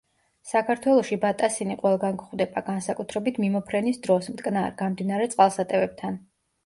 საქართველოში ბატასინი ყველგან გვხვდება, განსაკუთრებით მიმოფრენის დროს, მტკნარ, გამდინარე წყალსატევებთან.